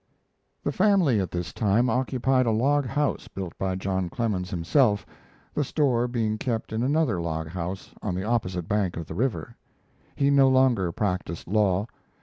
The family at this time occupied a log house built by John Clemens himself, the store being kept in another log house on the opposite bank of the river. He no longer practised law.